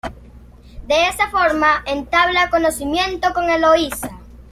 De esa forma entabla conocimiento con Eloisa.